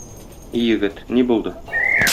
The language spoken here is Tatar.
И егет, ни булды?